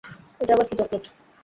এটা আবার কি চকলেট?